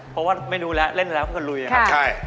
เพราะว่าเมนูเล่นแล้วไปกันเลย